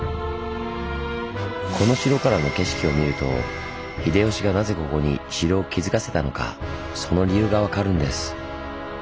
この城からの景色を見ると秀吉がなぜここに城を築かせたのかその理由が分かるんです。